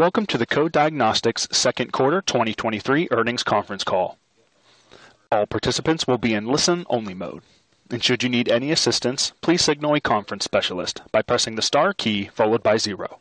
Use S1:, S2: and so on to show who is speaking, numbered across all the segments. S1: Welcome to the Co-Diagnostics Q2 2023 Earnings Conference Call. All participants will be in listen-only mode. Should you need any assistance, please signal a conference specialist by pressing the star key followed by zero.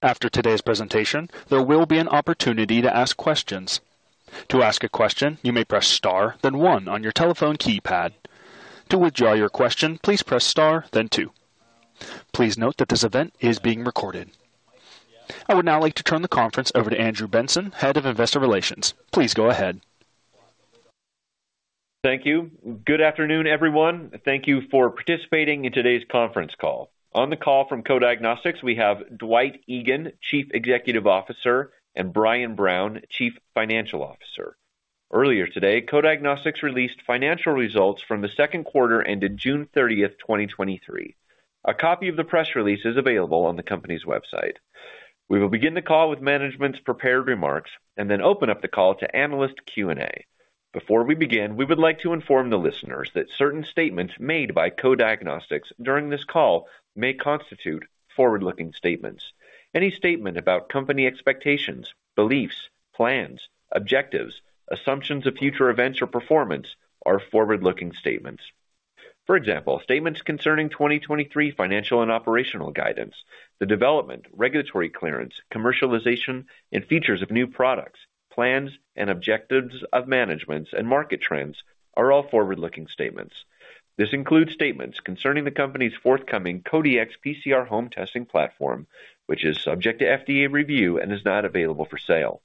S1: After today's presentation, there will be an opportunity to ask questions. To ask a question, you may press Star, then one on your telephone keypad. To withdraw your question, please press Star, then two. Please note that this event is being recorded. I would now like to turn the conference over to Andrew Benson, Head of Investor Relations. Please go ahead.
S2: Thank you. Good afternoon, everyone. Thank you for participating in today's conference call. On the call from Co-Diagnostics, we have Dwight Egan, Chief Executive Officer, and Brian Brown, Chief Financial Officer. Earlier today, Co-Diagnostics released financial results from the Q2 ended June 30th, 2023. A copy of the press release is available on the company's website. We will begin the call with management's prepared remarks and then open up the call to analyst Q&A. Before we begin, we would like to inform the listeners that certain statements made by Co-Diagnostics during this call may constitute forward-looking statements. Any statement about company expectations, beliefs, plans, objectives, assumptions of future events or performance are forward-looking statements. For example, statements concerning 2023 financial and operational guidance, the development, regulatory clearance, commercialization, and features of new products, plans and objectives of managements and market trends are all forward-looking statements. This includes statements concerning the company's forthcoming Co-Diagnostics PCR Home testing platform, which is subject to FDA review and is not available for sale.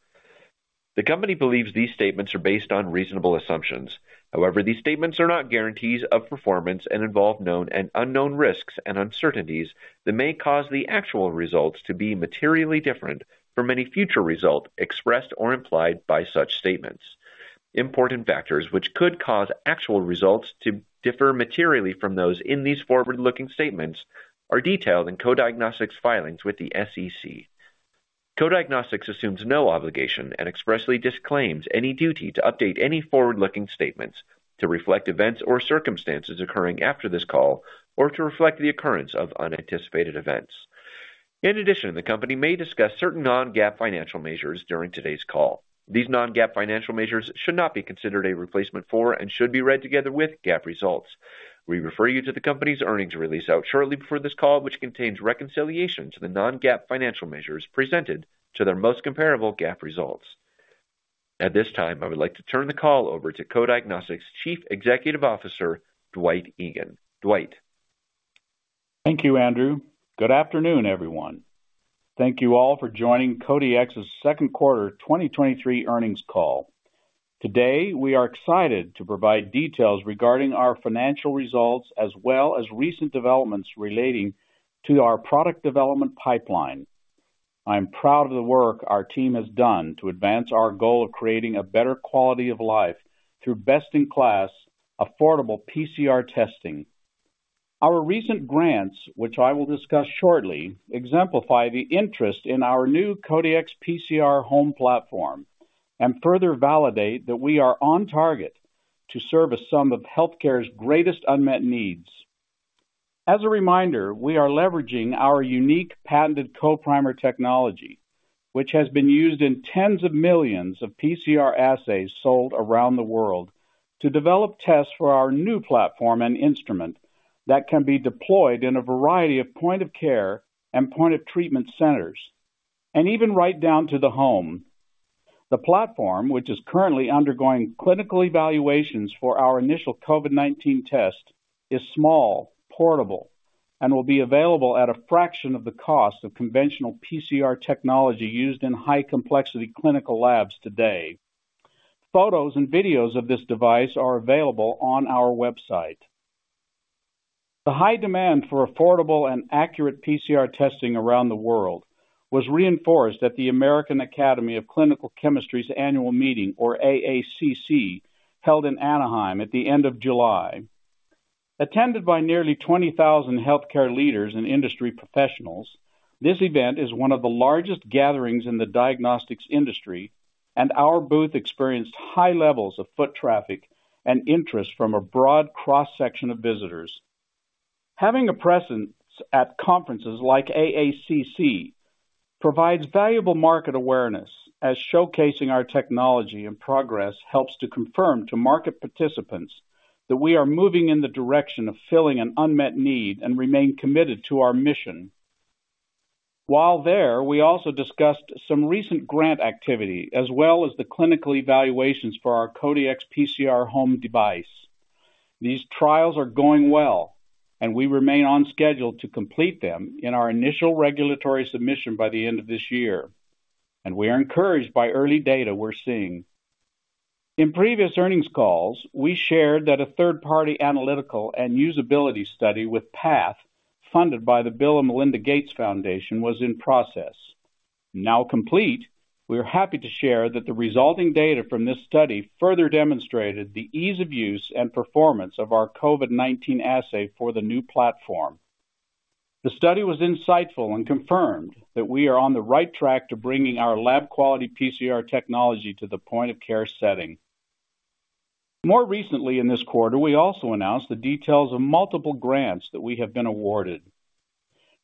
S2: The company believes these statements are based on reasonable assumptions. However, these statements are not guarantees of performance and involve known and unknown risks and uncertainties that may cause the actual results to be materially different from any future result expressed or implied by such statements. Important factors which could cause actual results to differ materially from those in these forward-looking statements are detailed in Co-Diagnostics' filings with the SEC. Co-Diagnostics assumes no obligation and expressly disclaims any duty to update any forward-looking statements to reflect events or circumstances occurring after this call or to reflect the occurrence of unanticipated events. In addition, the company may discuss certain non-GAAP financial measures during today's call. These non-GAAP financial measures should not be considered a replacement for and should be read together with GAAP results. We refer you to the company's earnings release out shortly before this call, which contains reconciliation to the non-GAAP financial measures presented to their most comparable GAAP results. At this time, I would like to turn the call over to Co-Diagnostics' Chief Executive Officer, Dwight Egan. Dwight?
S3: Thank you, Andrew. Good afternoon, everyone. Thank you all for joining Co-Dx's Q2 2023 earnings call. Today, we are excited to provide details regarding our financial results as well as recent developments relating to our product development pipeline. I am proud of the work our team has done to advance our goal of creating a better quality of life through best-in-class, affordable PCR testing. Our recent grants, which I will discuss shortly, exemplify the interest in our new Co-Dx PCR Home platform and further validate that we are on target to serve as some of healthcare's greatest unmet needs. As a reminder, we are leveraging our unique patented Co-Primer technology, which has been used in tens of millions of PCR assays sold around the world, to develop tests for our new platform and instrument that can be deployed in a variety of point-of-care and point-of-treatment centers, and even right down to the home. The platform, which is currently undergoing clinical evaluations for our initial COVID-19 test, is small, portable, and will be available at a fraction of the cost of conventional PCR technology used in high-complexity clinical labs today. Photos and videos of this device are available on our website. The high demand for affordable and accurate PCR testing around the world was reinforced at the American Association for Clinical Chemistry's annual meeting, or AACC, held in Anaheim at the end of July. Attended by nearly 20,000 healthcare leaders and industry professionals, this event is one of the largest gatherings in the diagnostics industry, and our booth experienced high levels of foot traffic and interest from a broad cross-section of visitors. Having a presence at conferences like AACC provides valuable market awareness as showcasing our technology and progress helps to confirm to market participants that we are moving in the direction of filling an unmet need and remain committed to our mission. While there, we also discussed some recent grant activity as well as the clinical evaluations for our Co-Dx PCR Home device. These trials are going well and we remain on schedule to complete them in our initial regulatory submission by the end of this year, and we are encouraged by early data we're seeing. In previous earnings calls, we shared that a third-party analytical and usability study with PATH, funded by the Bill & Melinda Gates Foundation, was in process. Now complete, we are happy to share that the resulting data from this study further demonstrated the ease of use and performance of our COVID-19 assay for the new platform. The study was insightful and confirmed that we are on the right track to bringing our lab-quality PCR technology to the point-of-care setting. More recently in this quarter, we also announced the details of multiple grants that we have been awarded.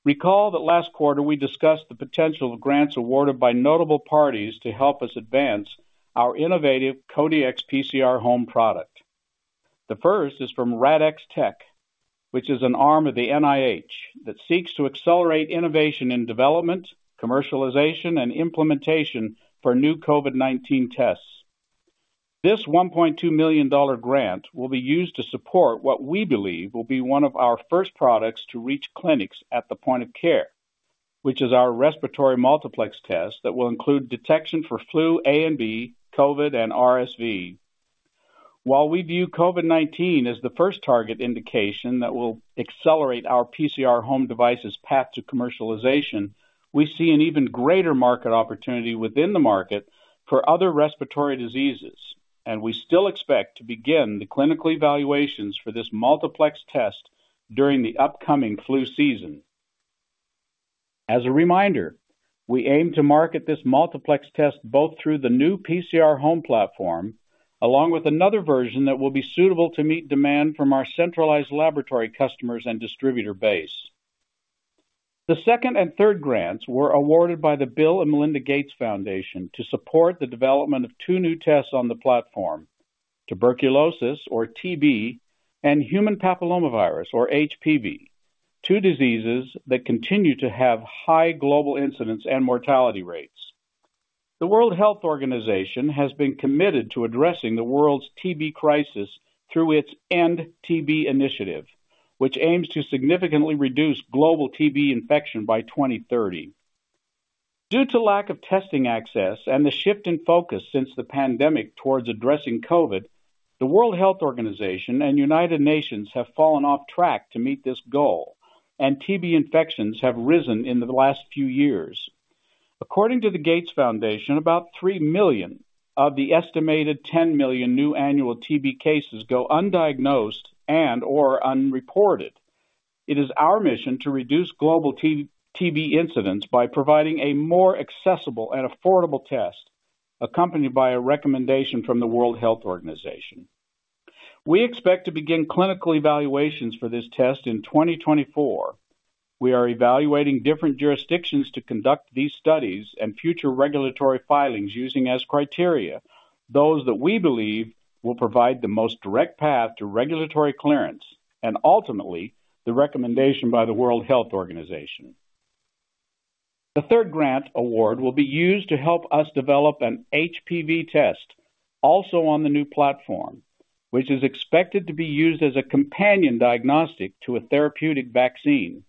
S3: Recall that last quarter, we discussed the potential of grants awarded by notable parties to help us advance our innovative Co-Dx PCR Home product. The first is from RADx Tech, which is an arm of the NIH, that seeks to accelerate innovation in development, commercialization, and implementation for new COVID-19 tests. This $1.2 million grant will be used to support what we believe will be one of our first products to reach clinics at the point-of-care, which is our respiratory multiplex test that will include detection for Influenza A and B, COVID, and RSV. While we view COVID-19 as the first target indication that will accelerate our PCR home device's path to commercialization, we see an even greater market opportunity within the market for other respiratory diseases. We still expect to begin the clinical evaluations for this multiplex test during the upcoming flu season. As a reminder, we aim to market this multiplex test both through the new PCR Home platform, along with another version that will be suitable to meet demand from our centralized laboratory customers and distributor base. The second and third grants were awarded by the Bill & Melinda Gates Foundation to support the development of two new tests on the platform, tuberculosis or TB, and human papillomavirus or HPV, two diseases that continue to have high global incidence and mortality rates. The World Health Organization has been committed to addressing the world's TB crisis through its End TB Strategy, which aims to significantly reduce global TB infection by 2030. Due to lack of testing access and the shift in focus since the pandemic towards addressing COVID-19, the World Health Organization and United Nations have fallen off track to meet this goal, and TB infections have risen in the last few years. According to the Gates Foundation, about 3 million of the estimated 10 million new annual TB cases go undiagnosed and/or unreported. It is our mission to reduce global TB incidents by providing a more accessible and affordable test, accompanied by a recommendation from the World Health Organization. We expect to begin clinical evaluations for this test in 2024. We are evaluating different jurisdictions to conduct these studies and future regulatory filings, using as criteria, those that we believe will provide the most direct path to regulatory clearance and ultimately, the recommendation by the World Health Organization. The third grant award will be used to help us develop an HPV test, also on the new platform, which is expected to be used as a companion diagnostic to a therapeutic vaccine.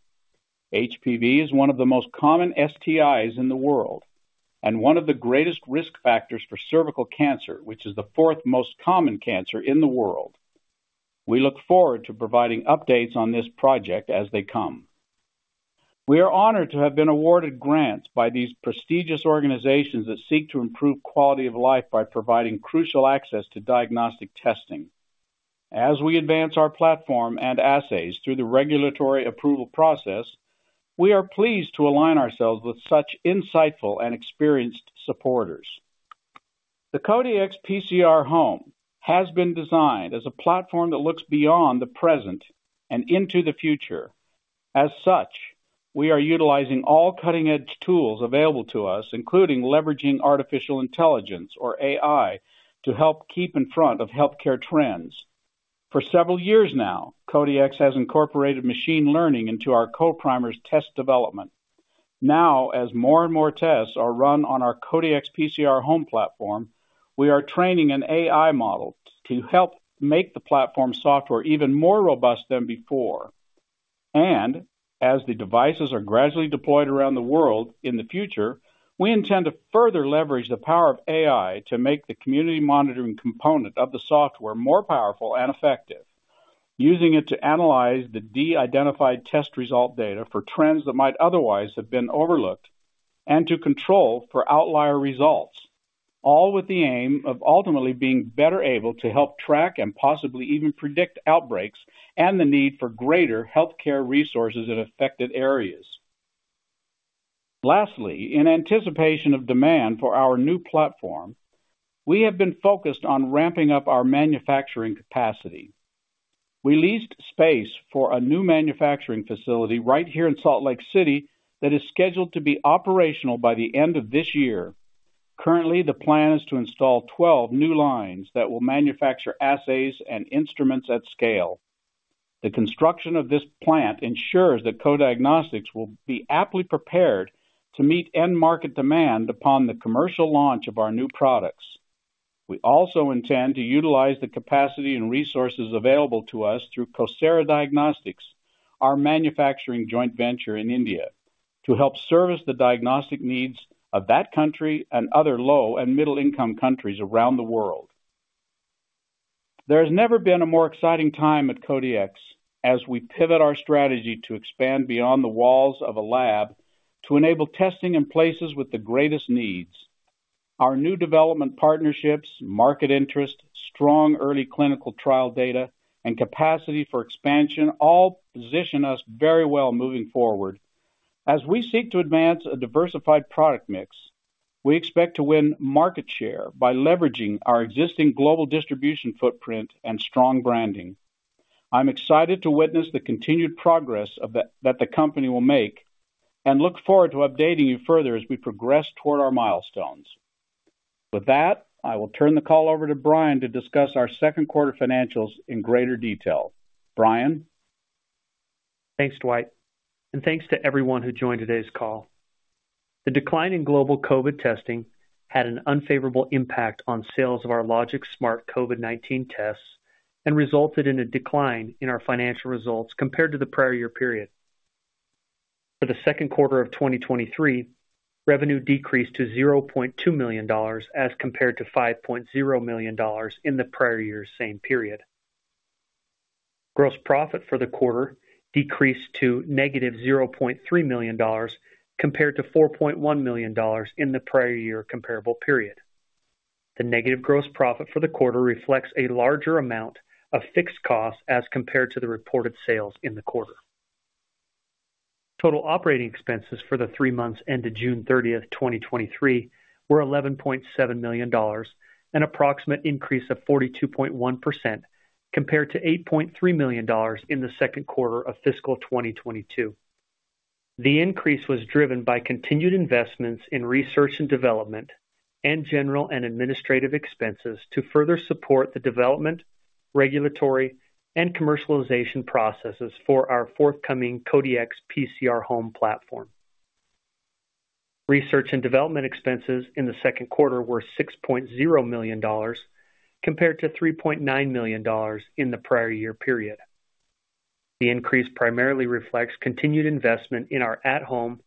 S3: HPV is one of the most common STIs in the world and one of the greatest risk factors for cervical cancer, which is the fourth most common cancer in the world. We look forward to providing updates on this project as they come. We are honored to have been awarded grants by these prestigious organizations that seek to improve quality of life by providing crucial access to diagnostic testing. As we advance our platform and assays through the regulatory approval process, we are pleased to align ourselves with such insightful and experienced supporters. The Co-Dx PCR Home has been designed as a platform that looks beyond the present and into the future. As such, we are utilizing all cutting-edge tools available to us, including leveraging artificial intelligence or AI, to help keep in front of healthcare trends. For several years now, Co-Dx has incorporated machine learning into our Co-Primers test development. As more and more tests are run on our Co-Dx PCR Home platform, we are training an AI model to help make the platform software even more robust than before. As the devices are gradually deployed around the world in the future, we intend to further leverage the power of AI to make the community monitoring component of the software more powerful and effective, using it to analyze the de-identified test result data for trends that might otherwise have been overlooked, and to control for outlier results, all with the aim of ultimately being better able to help track and possibly even predict outbreaks and the need for greater healthcare resources in affected areas. Lastly, in anticipation of demand for our new platform, we have been focused on ramping up our manufacturing capacity. We leased space for a new manufacturing facility right here in Salt Lake City that is scheduled to be operational by the end of this year. Currently, the plan is to install 12 new lines that will manufacture assays and instruments at scale. The construction of this plant ensures that Co-Diagnostics will be aptly prepared to meet end-market demand upon the commercial launch of our new products. We also intend to utilize the capacity and resources available to us through CoSara Diagnostics, our manufacturing joint venture in India, to help service the diagnostic needs of that country and other low and middle-income countries around the world. There has never been a more exciting time at Co-Dx as we pivot our strategy to expand beyond the walls of a lab to enable testing in places with the greatest needs. Our new development partnerships, market interest, strong early clinical trial data, and capacity for expansion all position us very well moving forward. As we seek to advance a diversified product mix. We expect to win market share by leveraging our existing global distribution footprint and strong branding. I'm excited to witness the continued progress that the company will make and look forward to updating you further as we progress toward our milestones. With that, I will turn the call over to Brian to discuss our Q2 financials in greater detail. Brian?
S4: Thanks, Dwight, and thanks to everyone who joined today's call. The decline in global COVID testing had an unfavorable impact on sales of our Logix Smart COVID-19 tests and resulted in a decline in our financial results compared to the prior year period. For the Q2 of 2023, revenue decreased to $0.2 million as compared to $5.0 million in the prior year's same period. Gross profit for the quarter decreased to negative $0.3 million, compared to $4.1 million in the prior year comparable period. The negative gross profit for the quarter reflects a larger amount of fixed costs as compared to the reported sales in the quarter. Total operating expenses for the three months ended June 30th, 2023, were $11.7 million, an approximate increase of 42.1%, compared to $8.3 million in the Q2 of fiscal 2022. The increase was driven by continued investments in research and development and general and administrative expenses to further support the development, regulatory, and commercialization processes for our forthcoming Co-Dx PCR Home platform. Research and development expenses in the Q2 were $6.0 million, compared to $3.9 million in the prior year period. The increase primarily reflects continued investment in our at-home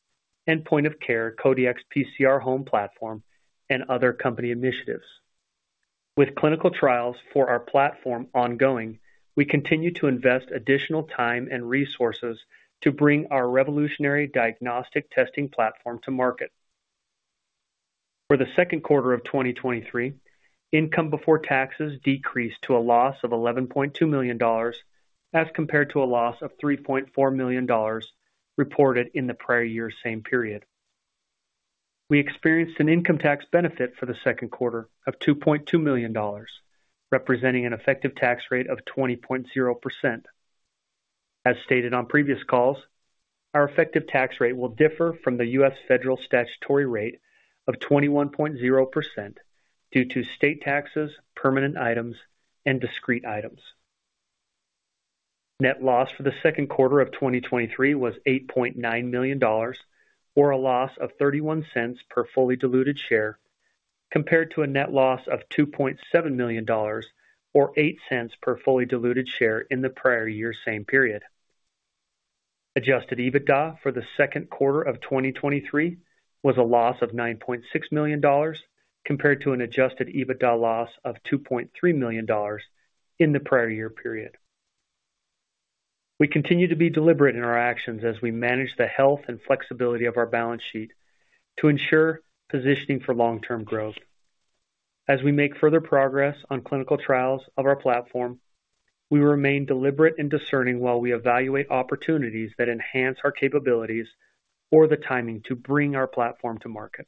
S4: and point-of-care Co-Dx PCR Home platform and other company initiatives. With clinical trials for our platform ongoing, we continue to invest additional time and resources to bring our revolutionary diagnostic testing platform to market. For the Q2 of 2023, income before taxes decreased to a loss of $11.2 million, as compared to a loss of $3.4 million reported in the prior year's same period. We experienced an income tax benefit for the Q2 of $2.2 million, representing an effective tax rate of 20.0%. As stated on previous calls, our effective tax rate will differ from the US federal statutory rate of 21.0% due to state taxes, permanent items, and discrete items. Net loss for the Q2 of 2023 was $8.9 million, or a loss of $0.31 per fully diluted share, compared to a net loss of $2.7 million, or $0.08 per fully diluted share in the prior year same period. Adjusted EBITDA for the Q2 of 2023 was a loss of $9.6 million, compared to an adjusted EBITDA loss of $2.3 million in the prior year period. We continue to be deliberate in our actions as we manage the health and flexibility of our balance sheet to ensure positioning for long-term growth. As we make further progress on clinical trials of our platform, we remain deliberate and discerning while we evaluate opportunities that enhance our capabilities or the timing to bring our platform to market.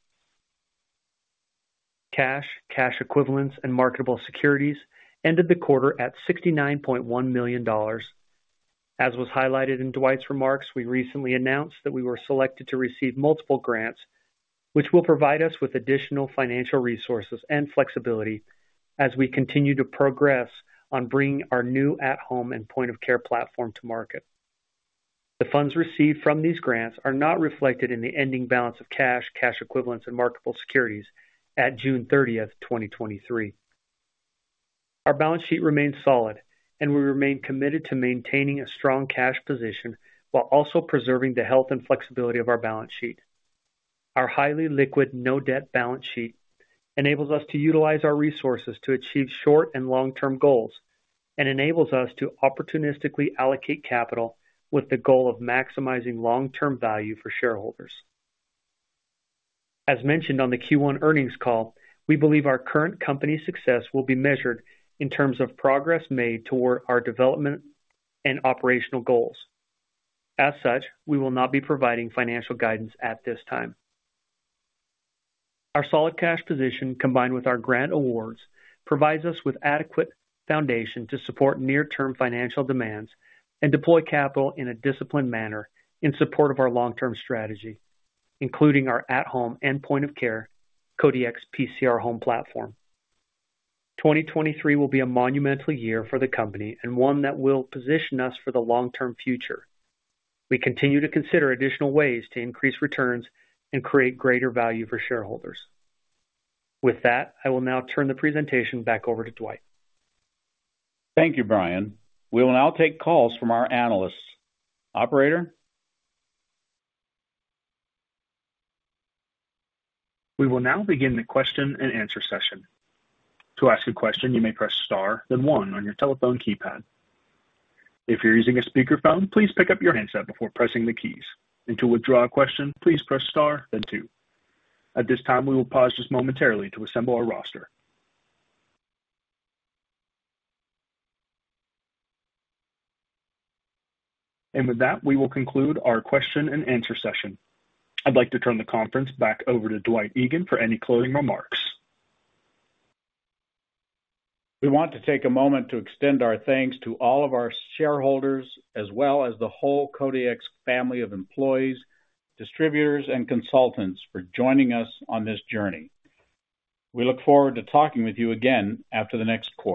S4: Cash, cash equivalents, and marketable securities ended the quarter at $69.1 million. As was highlighted in Dwight's remarks, we recently announced that we were selected to receive multiple grants, which will provide us with additional financial resources and flexibility as we continue to progress on bringing our new at-home and point-of-care platform to market. The funds received from these grants are not reflected in the ending balance of cash, cash equivalents, and marketable securities at June 30, 2023. Our balance sheet remains solid, and we remain committed to maintaining a strong cash position while also preserving the health and flexibility of our balance sheet. Our highly liquid, no-debt balance sheet enables us to utilize our resources to achieve short and long-term goals and enables us to opportunistically allocate capital with the goal of maximizing long-term value for shareholders. As mentioned on the Q1 earnings call, we believe our current company success will be measured in terms of progress made toward our development and operational goals. As such, we will not be providing financial guidance at this time. Our solid cash position, combined with our grant awards, provides us with adequate foundation to support near-term financial demands and deploy capital in a disciplined manner in support of our long-term strategy, including our at-home and point-of-care Co-Dx PCR Home platform. 2023 will be a monumental year for the company and one that will position us for the long-term future. We continue to consider additional ways to increase returns and create greater value for shareholders. With that, I will now turn the presentation back over to Dwight.
S3: Thank you, Brian. We will now take calls from our analysts. Operator?
S1: We will now begin the question and answer session. To ask a question, you may press Star, then One on your telephone keypad. If you're using a speakerphone, please pick up your handset before pressing the keys. To withdraw a question, please press Star then Two. At this time, we will pause just momentarily to assemble our roster. With that, we will conclude our question and answer session. I'd like to turn the conference back over to Dwight Egan for any closing remarks.
S3: We want to take a moment to extend our thanks to all of our shareholders, as well as the whole Co-Dx family of employees, distributors, and consultants for joining us on this journey. We look forward to talking with you again after the next quarter.